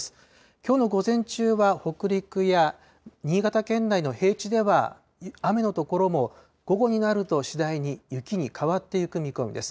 きょうの午前中は、北陸や新潟県内の平地では、雨の所も、午後になると次第に雪に変わっていく見込みです。